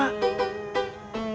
semua orang mengadakan persiapan